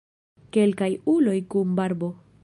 Kelkaj uloj kun barbo.